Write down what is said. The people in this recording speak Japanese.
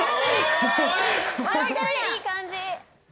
いい感じ。